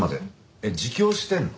えっ自供してるの？